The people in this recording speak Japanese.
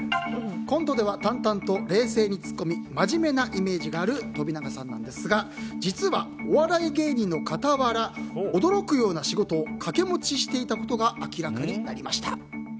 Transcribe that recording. コントでは淡々と冷静にツッコみ真面目なイメージがある飛永さんですが実は、お笑い芸人の傍ら驚くような仕事を掛け持ちしていたことが明らかになりました。